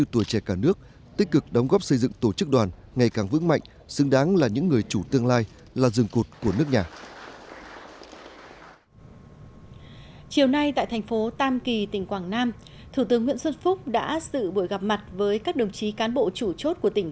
tại buổi làm việc thủ tướng nguyễn xuân phúc đánh giá cao những thành tựu đạt được của tỉnh